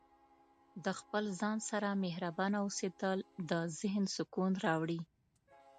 د خپل ځان سره مهربانه اوسیدل د ذهن سکون راوړي.